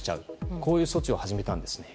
こういう措置を始めたんです。